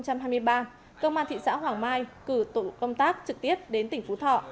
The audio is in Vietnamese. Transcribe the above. công an thị xã hoàng mai cử tụ công tác trực tiếp đến tỉnh phú thọ